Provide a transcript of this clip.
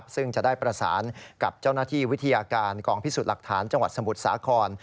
ซึ่งจะได้ประสานกับเจ้าหน้าที่วิทยาการกองพิสูจน์หลักฐานจังหวัดสมุทรสาคร